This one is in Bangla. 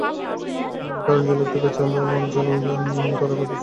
কারণ যে লোকটির আমাদের কাছে, মাল চালান করার কথা ছিল।